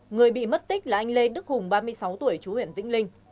người bị mất tích là anh lê đức hùng ba mươi sáu tuổi chú huyện vĩnh linh